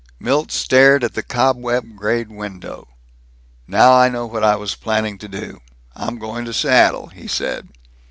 Milt stared at the cobweb grayed window. "Now I know what I was planning to do. I'm going to Seattle," he said.